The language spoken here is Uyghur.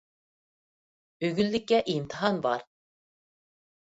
ئۆگۈنلۈككە ئىمتىھان بار.